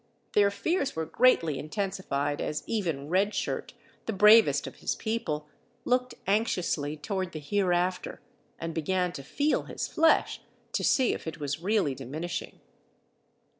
Their fears were greatly intensified as even Red Shirt, the bravest of his people, looked anxiously toward the hereafter, and began to feel his flesh to see if it was really diminishing.